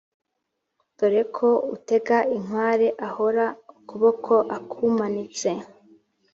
dore ko utega inkware ahora ukuboko akumanitse